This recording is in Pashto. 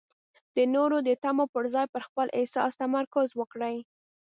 د نورو د تمو پر ځای پر خپل احساس تمرکز وکړئ.